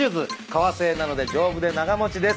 革製なので丈夫で長持ちです。